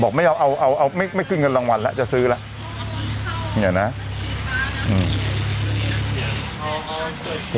ไม่เอาเอาเอาไม่ไม่ขึ้นเงินรางวัลแล้วจะซื้อแล้วเนี่ยนะอืม